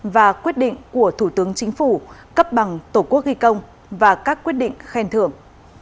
và quyết định của thủ tướng chính phủ cấp bằng tổ quốc ghi công và các quyết định khen thưởng